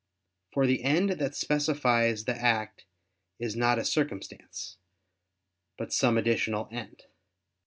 For the end that specifies the act is not a circumstance, but some additional end.